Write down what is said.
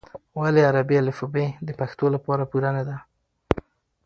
ولې عربي الفبې د پښتو لپاره پوره نه ده؟